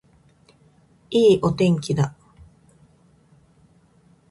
いいお天気だ